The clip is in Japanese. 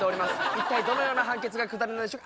一体どのような判決が下るのでしょ。